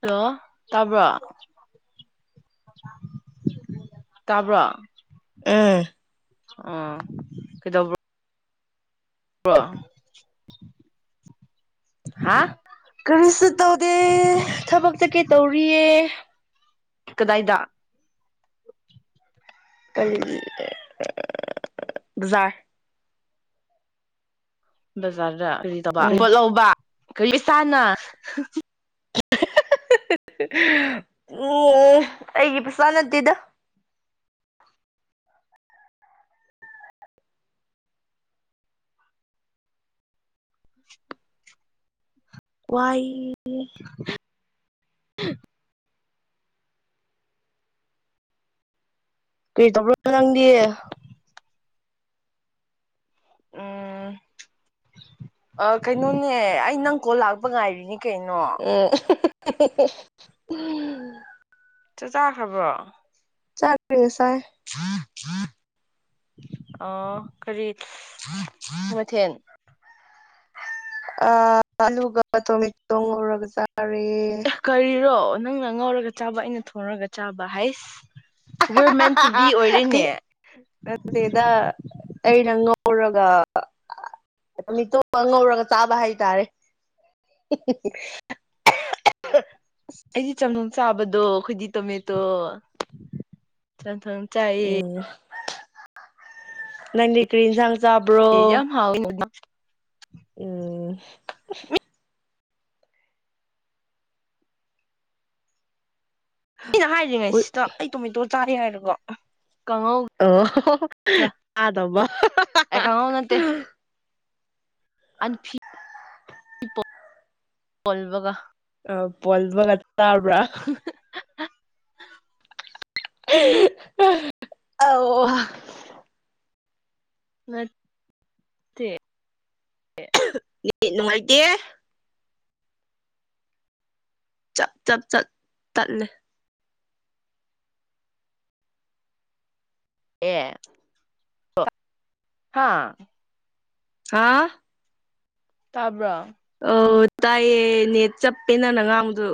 hello ꯇꯥꯕ꯭ꯔꯣ ꯇꯥꯕ꯭ꯔꯣ ꯑꯝ ꯑꯣ ꯀꯩꯗ ꯍꯥ ꯀꯔꯤꯁꯨ ꯇꯧꯗꯦ ꯊꯕꯛꯇ ꯀꯩ ꯇꯧꯔꯤꯌꯦ ꯀꯗꯥꯏꯗ ꯀ [inaudible] ꯕꯖꯥꯗ ꯎꯝ ꯀꯣꯠ ꯂꯧꯕ ꯀꯔꯤꯁꯥꯅ ꯎꯝ ꯑꯩꯒꯤ ꯄꯩꯁꯥ ꯅꯠꯇꯦꯗ [inaudible] ꯋꯥꯏ [inaudible] ꯎꯝ ꯀꯩ ꯇꯧꯕ꯭ꯔꯣ ꯅꯪꯗꯤ ꯎꯝ ꯀꯩꯅꯣꯅꯦ ꯑꯩ ꯅꯪ ꯀꯣꯟ ꯂꯥꯛꯄ ꯉꯥꯏꯔꯤꯅꯤ ꯀꯩꯅꯣ ꯎꯝ ꯎꯝ ꯆꯥꯛ ꯆꯥꯈ꯭ꯔꯕꯣ ꯆꯠꯁꯥꯏ ꯑꯥ ꯀꯔꯤ ꯀꯔꯤ ꯃꯊꯦꯟ ꯑꯂꯨꯒ ꯇꯣꯃꯦꯇꯣ ꯇꯧꯔꯒ ꯇꯔꯦ ꯀꯔꯤꯔꯣ ꯅꯪꯅ ꯉꯥꯎꯔꯒ ꯆꯥꯕ ꯑꯩꯅ ꯊꯣꯡꯉꯥꯒ ꯆꯥꯕ ꯍꯥꯏꯁ ꯋꯦꯔ ꯃꯦꯟ ꯑꯥ ꯇꯨ ꯍꯥ ꯕꯤ ꯑꯣꯏꯔꯦꯅꯦ ꯅꯠꯇꯗꯥ ꯑꯩꯅ ꯉꯧꯔꯒ ꯃꯤꯇꯣꯞꯄ ꯉꯧꯔꯒ ꯆꯥꯕ ꯍꯥꯏꯇꯥꯔꯦ ꯑꯩꯗꯤ ꯆꯪꯅ ꯆꯥꯕꯗꯣ ꯑꯩꯈꯣꯏꯗꯤ ꯇꯣꯃꯦꯇꯣ ꯆꯥꯏꯌꯦ ꯎꯝ ꯅꯪꯗꯤ ꯀꯔꯤ ꯏꯟꯁꯥꯡ ꯍꯖ ꯆꯥꯕ꯭ꯔꯣ ꯌꯥꯝ ꯍꯥꯎ ꯎꯝ ꯑꯩꯅ ꯍꯥꯏꯔꯤꯉꯩ ꯎꯠ ꯁꯤꯗ ꯑꯩ ꯇꯣꯃꯦꯇꯣ ꯀꯔ ꯍꯥꯏꯔꯀꯣ ꯑꯣ ꯑꯗꯝꯕ ꯑꯦ ꯑ ꯍꯣꯜꯕꯒ ꯄꯣꯜꯕꯒ ꯆꯥꯎꯥꯎ ꯑ [unintelligible] ꯃꯠꯇ ꯍꯥ ꯅꯨꯡꯉꯥꯏꯇꯦ ꯆꯞ ꯆꯞ ꯆꯠ ꯇꯠꯂꯦ ꯑꯦ ꯍꯥꯥ ꯍꯥꯥ ꯇꯥꯕ꯭ꯔꯥ ꯑ ꯇꯥꯏꯌꯦ ꯅꯦꯠ ꯆꯞꯄꯦ ꯅꯪꯅ ꯉꯥꯡꯚꯗꯨ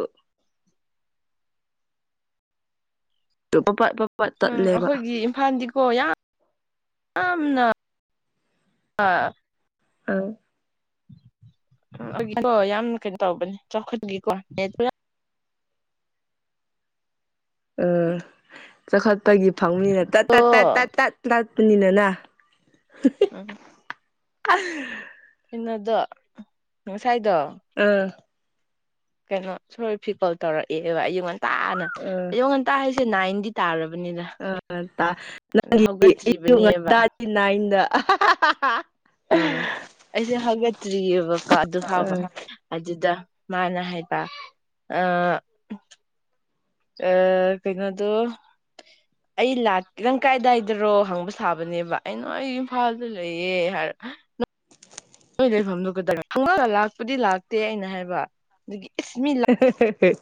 [inaudible] ꯎꯝ ꯇꯠꯂꯦꯕ ꯑꯩꯈꯣꯏꯒꯤ ꯏꯝꯐꯥꯜꯗꯤ ꯍꯣ ꯌꯥ ꯑꯝ ꯅ ꯑꯥꯎ ꯍ ꯌꯥꯝ ꯀꯩꯅꯣ ꯇꯧꯕꯅꯦ ꯆꯥꯎꯈꯠꯈꯤꯀꯣ ꯄꯨ ꯎꯝ ꯆꯈ ꯀꯣꯏꯒꯤ ꯐꯪꯅꯤꯅ ꯇꯠ ꯇꯠ ꯇꯠ ꯇꯠ ꯎꯝ ꯇꯠ ꯇꯠꯄꯅꯤꯅꯅ ꯎꯝ ꯑ ꯏꯟꯅꯗꯣ ꯉꯅꯨꯡꯁꯥꯏꯗꯣ ꯑꯥ ꯀꯩꯅꯣ ꯁꯣꯔ ꯐꯤꯀꯣꯜ ꯇꯧꯔꯛꯑꯦꯕ ꯑꯩꯉꯣꯟꯗ ꯇꯥꯅ ꯑꯌꯣ ꯉꯟꯇꯥ ꯍꯥꯏꯁꯤ ꯅꯏꯟꯗꯤ ꯇꯥꯔ ꯑ ꯍꯧꯒꯠꯇ꯭ꯔꯤꯕꯅꯦꯕ ꯅꯪꯒꯤ ꯎꯝ ꯑꯩꯁꯦ ꯉꯗꯤꯅꯥꯏꯟꯗ ꯍꯧꯒꯠꯇ꯭ꯔꯤꯑꯕꯀꯣ ꯑ ꯃꯥꯅꯦ ꯍꯥꯏꯕ ꯑ ꯀꯩꯅꯣꯗꯣ ꯑꯩ ꯂꯥꯛ ꯈꯤꯇꯪ ꯀꯥꯏꯗꯥꯏꯗꯔꯣ ꯍꯪꯕ ꯁꯥꯕꯅꯦꯕ ꯑꯩ ꯅ ꯑꯩ ꯏꯝꯐꯥꯜꯗ ꯂꯩꯌꯦ ꯍꯥꯏꯔ ꯐꯝꯗ ꯂꯥꯛꯄꯨꯗꯤ ꯂꯥꯛꯇꯦ ꯑꯩꯅ ꯍꯥꯏꯕ ꯑꯗꯨꯒꯤ [inaudible] ꯍ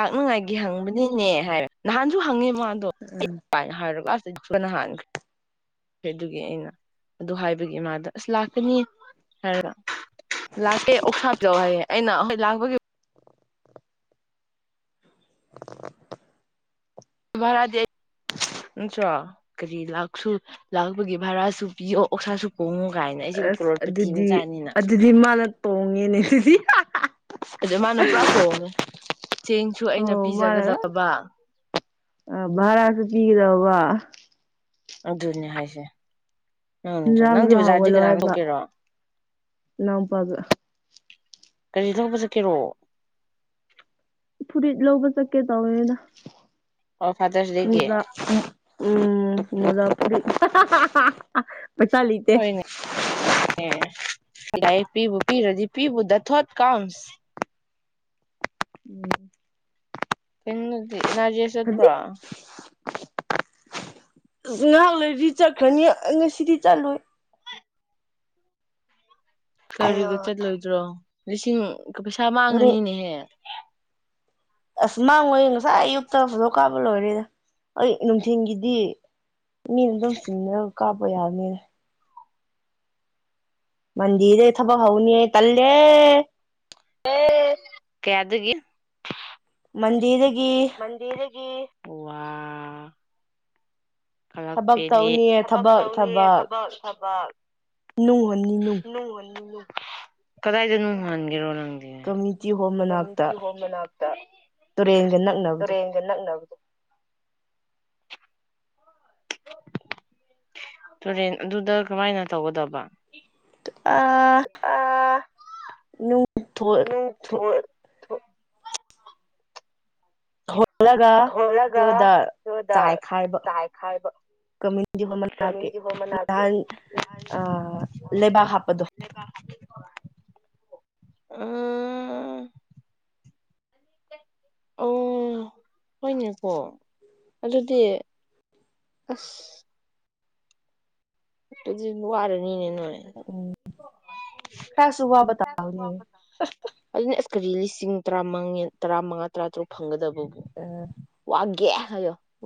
ꯂꯥꯛꯅꯉꯥꯏꯒꯤ ꯍꯪꯕꯅꯤꯅꯦ ꯍꯥꯏ ꯅꯍꯥꯟꯁꯨ ꯍꯪꯉꯤꯕ ꯗꯣ ꯑꯩ ꯍꯥꯏꯔꯒ ꯑꯁ ꯅ ꯍꯥꯟꯈ꯭ꯔꯦꯈ꯭ꯔꯦ ꯑꯗꯨꯒꯤ ꯑꯩꯅ ꯑꯗꯨ ꯍꯥꯏꯕꯒꯤ ꯃꯥꯥꯗ ꯑꯁ ꯂꯥꯛꯀꯅꯤ ꯍꯥꯏꯔ ꯂꯥꯛꯀꯦ ꯑꯣꯛꯁꯥꯞꯧ ꯍꯥꯏꯌꯦꯦ ꯑꯩꯅ ꯍꯣꯏ ꯂꯥꯛꯄꯒꯤ [inaudible] ꯚꯔꯥꯗꯤ ꯑꯩ ꯅꯠꯇ꯭ꯔꯣ ꯀꯔꯤ ꯂꯥꯛ ꯂꯥꯛꯄꯒꯤ ꯚꯔꯥꯁꯨ ꯄꯤꯌꯣ ꯑꯣꯛꯁꯥꯁꯨ ꯄꯣꯡꯉꯣ ꯑꯁ ꯑꯗꯨꯗꯤ ꯑꯗꯨꯗꯤ ꯃꯥꯅ ꯇꯣꯡꯉꯦꯅꯦ ꯁꯤꯁꯤ ꯑꯗꯨ ꯃꯥꯅ ꯄꯨꯔꯥ ꯇꯣꯡꯉꯦ ꯆꯦꯡꯁꯨ ꯑꯩꯅ ꯑꯣꯃꯒ ꯄꯤꯖꯒꯗꯕ ꯑ ꯚꯥꯔꯁꯨ ꯇꯤꯒꯗ ꯋꯥ ꯑꯙꯨꯔꯅꯤ ꯍꯥꯏꯁꯦ ꯅꯪꯗ ꯂꯝꯝ ꯅꯪꯗꯤ ꯂ ꯕꯖꯥꯔꯗꯤ ꯍꯒꯣꯂꯣ ꯀꯅꯥꯒ ꯍꯥꯏꯕ ꯊꯣꯛꯀꯦꯔꯣ ꯂꯝꯄꯒ ꯀꯔꯤ ꯊꯣꯛꯄ ꯆꯠꯀꯦꯔꯣ ꯐꯨꯔꯤꯠ ꯂꯧꯕ ꯆꯠꯀꯦ ꯇꯧꯋꯦꯅ ꯑꯣ ꯐꯗꯁꯗꯒꯤ ꯎꯝ ꯄꯩꯁꯂꯤ ꯇ ꯍꯣꯏꯅꯦ ꯂꯥꯏꯔꯤꯛ ꯄꯤꯕꯨ ꯄꯤꯔꯗꯤ ꯄꯤꯕꯨ ꯗ ꯊꯣꯠ ꯀꯥꯎꯟꯁ ꯎꯝ ꯄꯗꯤ ꯑꯦꯅꯥꯖꯤꯦ ꯆꯠꯠꯇ꯭ꯔꯣ ꯈꯖꯤꯛ ꯑꯁ ꯉꯍꯥꯛ ꯂꯩꯔꯗꯤ ꯆꯠꯈ꯭ꯔꯅꯤ ꯉꯁꯤꯗꯤ ꯆꯠꯂꯣꯏ ꯑꯌꯣ ꯀꯔꯤꯒ ꯆꯠꯂꯣꯏꯗ꯭ꯔꯣ ꯂꯤꯁꯤꯡ ꯄꯩꯁꯥ ꯍꯣꯔꯦꯟ ꯃꯥꯡꯉꯅꯤꯅꯦꯍꯦ ꯑꯁ ꯃꯥꯡꯉꯣꯏ ꯉꯁꯥꯏ ꯑꯌꯨꯛꯇ ꯐꯗꯣꯛ ꯀꯥꯞꯕ ꯂꯣꯏꯔꯦꯗ ꯑꯩ ꯅꯨꯡꯊꯤꯜꯒꯤꯗꯤ ꯃꯤꯔꯗꯣꯁꯤꯅ ꯀꯥꯄ ꯌꯥꯅꯤꯅꯦ ꯃꯟꯗꯤꯔ ꯊꯕ ꯍꯧꯥꯎꯅꯤ ꯇꯜꯦ ꯑ ꯀꯩꯗꯒ ꯃꯗꯤꯔꯗ ꯃꯟꯗꯤꯦꯔꯒꯤ ꯑ ꯈꯂꯛ ꯊꯕꯛ ꯄꯦꯜꯂꯤ ꯇꯧꯅꯤ ꯊꯕꯛ ꯇꯧ ꯊꯕꯛ ꯊ ꯋꯥ ꯅꯨꯡ ꯍꯨꯟꯅꯤ ꯅꯨꯡ ꯅꯨꯅꯤ ꯀꯗꯥꯏꯗ ꯅꯨꯡ ꯍꯟꯒꯦꯔꯣ ꯅꯪ ꯀꯃꯌꯨꯅꯤꯇꯤ ꯍꯣꯜ ꯃꯅꯥꯛꯇ ꯇꯨꯔꯦꯟꯒ ꯇꯨꯔ ꯅꯛꯅꯕꯗꯣ ꯌꯦꯒ ꯅꯪꯕꯣ ꯇꯨꯔꯦꯟ ꯑꯗꯨꯗ ꯀꯃꯥꯏꯅ ꯇꯧꯒꯗꯕ ꯑ ꯊꯣꯛ ꯆꯂꯒ ꯑꯗꯨꯗ ꯆꯥꯏꯈꯥꯏꯕ ꯀꯃ꯭ꯌꯨꯅꯤꯇꯤ ꯍꯣꯜ ꯃꯅꯥꯛꯀꯤ ꯅꯍꯥꯟ ꯂꯩꯕꯥꯛ ꯍꯥꯞꯄꯗꯣ ꯎ ꯑꯣ ꯍꯣꯏꯅꯦꯀꯣ ꯑꯗꯨꯗꯤ ꯑꯁ ꯋꯥꯔꯅꯤꯅꯤ [inaudible] ꯎꯝ ꯈꯔꯁꯨ ꯋꯥꯕ ꯇꯥꯕꯅꯦ ꯇꯔꯥ ꯇꯔꯥꯃꯉꯥ ꯇꯔꯥ ꯇꯔꯨꯛ ꯐꯪꯒꯗꯕ ꯑ ꯑꯒꯦ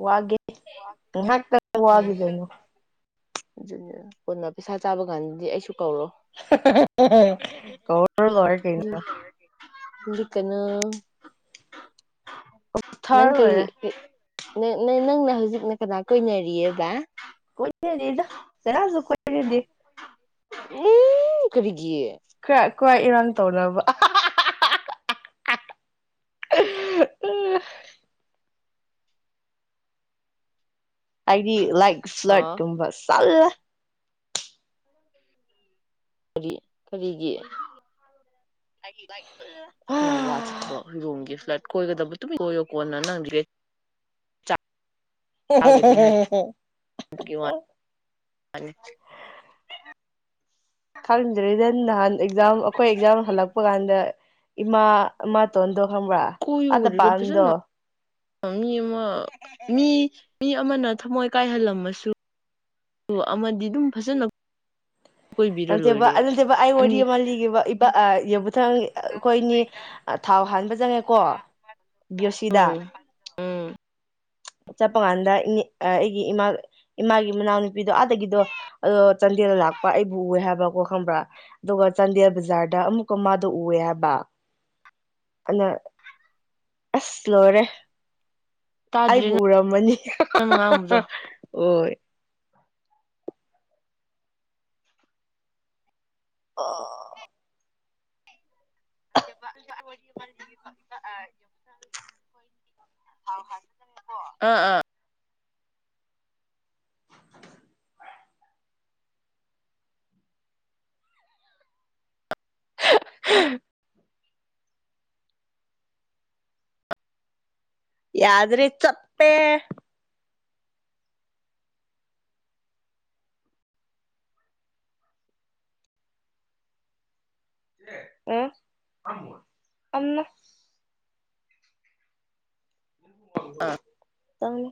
ꯋꯥꯒꯦ ꯄꯨꯍꯥꯛ ꯉꯣꯋꯥꯗꯩꯅ ꯀꯅ ꯄꯩꯁꯥ ꯆꯥꯕ ꯀꯥꯟꯗꯤ ꯑꯩꯁꯨ ꯀꯧꯔꯣ ꯀꯔ ꯂꯔ ꯀꯩꯅ ꯍꯧ ꯀꯅ ꯅꯪ ꯊꯔ ꯀꯩ ꯂꯣꯏꯔꯦ ꯅꯪꯅ ꯍꯧꯖꯤꯛꯅ ꯀꯅꯥ ꯀꯣꯏꯏꯅꯔꯤꯌꯦꯗ ꯗ ꯔꯁꯨ ꯀꯗꯤꯦ ꯎ ꯀꯕꯤꯒ ꯀ꯭ꯔꯦꯆ ꯈꯣꯏ ꯏꯔꯥꯡ ꯇꯧꯅꯕ ꯑꯍꯥ ꯍ ꯥꯍꯥ ꯍꯥ ꯍꯥ ꯑꯑ ꯑ ꯑꯥꯏꯗꯤ ꯂꯥꯏꯛ ꯐ꯭ꯂꯥꯏꯠ ꯍꯥ ꯀꯨꯝꯕ ꯁꯜꯂꯥ ꯀꯔꯤ ꯀꯔꯤꯒꯤ ꯅꯋꯥ ꯆꯠꯄ ꯍꯨꯏꯔꯣꯡꯒꯤ ꯐ꯭ꯂꯥꯏꯠ ꯀꯣꯏꯒꯗꯕ ꯇꯨꯃꯤ ꯀꯣꯏꯌꯣ ꯀꯣꯟꯅ ꯅꯪꯒꯤ ꯑ ꯍꯥꯡ ꯍꯥꯡ ꯍꯥꯡ ꯍꯥꯡ ꯍꯥꯏꯕꯅꯤ ꯈꯪꯗ꯭ꯔꯦꯗ ꯅꯍꯥꯟ ꯑꯦꯛꯖꯥꯝ ꯑꯈꯣꯏ ꯑꯦꯛꯖꯥꯝ ꯍꯜꯂꯛꯄ ꯀꯥꯟꯗ ꯏꯃꯥ ꯑꯃꯇꯣꯟꯗꯣ ꯈꯪꯕ꯭ꯔꯥ ꯀꯣꯏꯌꯨ ꯑꯥꯗ ꯀꯔꯤꯔꯣ ꯄꯥꯟꯗꯣ ꯐꯖꯅ ꯃꯤ ꯑꯃ ꯃꯤ ꯃꯤ ꯑꯃꯅ ꯊꯃꯣꯏ ꯀꯥꯏꯍꯜꯂꯝꯃꯁꯨ ꯑꯃꯗꯤ ꯑꯗꯨꯝ ꯐꯖꯅ ꯀꯣꯏꯕꯤꯔ ꯑꯟꯇꯦꯕ ꯂꯣꯏꯔꯦ ꯑꯗꯨꯅꯠꯇꯦꯕ ꯑꯩ ꯋꯥꯔꯤ ꯑꯅꯤ ꯑꯃ ꯂꯤꯒꯦꯕ ꯏꯕ ꯑꯥꯏ ꯌꯦꯕ ꯃꯊꯪ ꯑ ꯑꯩꯈꯣꯏꯅꯤ ꯑ ꯊꯥꯎ ꯍꯥꯟꯕ ꯆꯪꯉꯦꯀꯣ ꯕꯤꯌꯣꯁꯤꯗ ꯎꯝ ꯎꯝ ꯆꯠꯄ ꯀꯥꯟꯗ ꯏꯅꯦ ꯑ ꯑꯩꯒꯤ ꯏꯃꯥ ꯏꯃꯥꯒꯤ ꯃꯅꯥꯎꯅꯨꯄꯤꯗꯣ ꯑꯥꯗꯒꯤꯗꯣ ꯑꯣ ꯆꯥꯟꯗꯦꯜꯗ ꯂꯥꯛꯄ ꯑꯩꯕꯨ ꯎꯋꯦ ꯍꯥꯏꯕꯀꯣ ꯈꯪꯕ꯭ꯔꯥ ꯑꯗꯨꯒ ꯆꯥꯟꯗꯦꯜ ꯕꯖꯥꯔꯗ ꯑꯃꯨꯛꯀ ꯃꯥꯗꯣ ꯎꯋꯦ ꯍꯥꯏꯕ ꯑꯗꯨꯅ ꯑꯁ ꯂꯣꯏꯔꯦ ꯇꯥꯗ꯭ꯔꯦ ꯑꯩꯕꯨ ꯎꯔꯝꯃꯅꯤ ꯍꯥ ꯍꯥ ꯅꯪꯅ ꯍꯥ ꯍꯥ ꯍꯥ ꯉꯥꯡꯕꯗꯣ ꯍꯣꯏ ꯑꯥ ꯑꯥ ꯑꯥ ꯍꯛ ꯍꯍ ꯌꯥꯗ꯭ꯔꯦ ꯆꯞꯄꯦ ꯑꯥ ꯎꯝꯅ [unintelligible] ꯇꯥꯡ